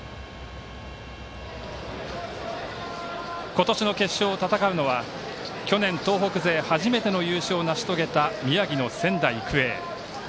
今年の決勝を戦うのは去年、東北勢初めての優勝を成し遂げた宮城の仙台育英。